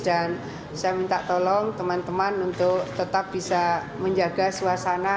dan saya minta tolong teman teman untuk tetap bisa menjaga suasana